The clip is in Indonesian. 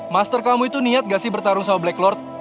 master kamu itu niat gak sih bertarung sama blacklord